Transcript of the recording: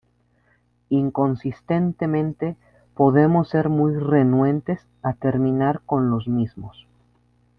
Inconscientemente, podemos ser muy renuentes a terminar con los mismos.